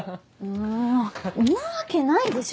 もうんなわけないでしょ。